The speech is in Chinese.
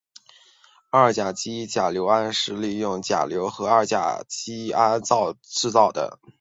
二甲基甲醯胺是利用甲酸和二甲基胺制造的。